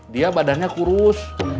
dia badannya kurus